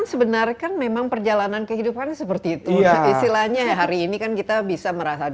jadi sebenarnya kan memang perjalanan kehidupan seperti itu istilahnya hari ini kan kita bisa merasa